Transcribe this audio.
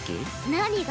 何が？